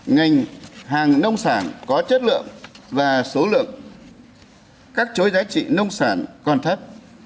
ngành hàng nông sản có chất lượng và số lượng các chối giá trị nông sản còn thấp